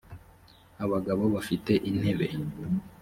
abagabo bafite intebe